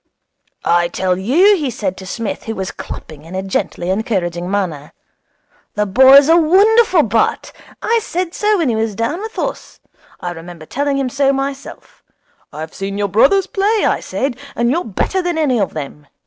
'I tell you,' he said to Psmith, who was clapping in a gently encouraging manner, 'the boy's a wonderful bat. I said so when he was down with us. I remember telling him so myself. "I've seen your brothers play," I said, "and you're better than any of them."